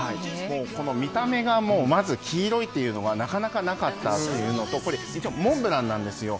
この見た目がもうまず黄色いっていうのがなかなかなかったというのとこれ一応モンブランなんですよ。